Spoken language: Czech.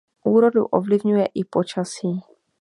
Úrodu ovlivňuje i počasí.